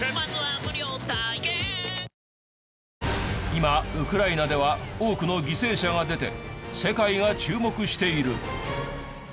今ウクライナでは多くの犠牲者が出て世界が注目している。